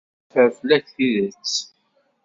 Teffer fell-ak tidet.